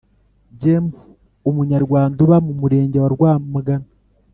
James umunyarwanda uba mu Murenge wa rwamgana